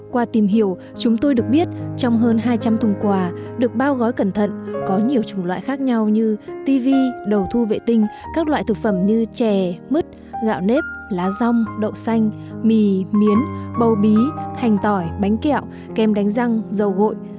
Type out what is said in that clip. qua tìm hiểu chúng tôi được biết trong hơn hai trăm linh thùng quà được bao gói cẩn thận có nhiều chủng loại khác nhau như tv đầu thu vệ tinh các loại thực phẩm như chè mứt gạo nếp lá rong đậu xanh mì miến bầu bí hành tỏi bánh kẹo kem đánh răng dầu gội